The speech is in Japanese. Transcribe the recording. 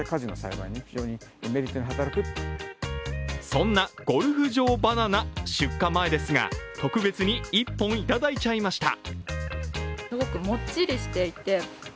そんなゴルフ場バナナ出荷前ですが特別に１本いただいちゃいました。